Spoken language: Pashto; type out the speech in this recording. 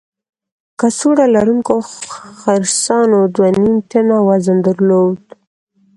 کڅوړه لرونکو خرسانو دوه نیم ټنه وزن درلود.